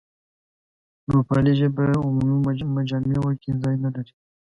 نوپالي ژبه عمومي مجامعو کې ځای نه لري.